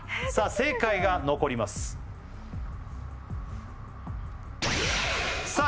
正解が残りますさあ